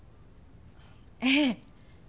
ええ。